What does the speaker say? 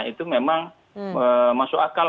itu memang masuk akal